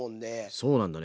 そうなんだね